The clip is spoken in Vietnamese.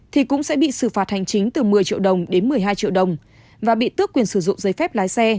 thì cũng sẽ bị xử phạt hành chính từ một mươi triệu đồng đến một mươi hai triệu đồng và bị tước quyền sử dụng giấy phép lái xe